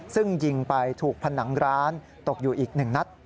ซึ่งยิงไปถูกผนังร้านตกอยู่อีก๑นัด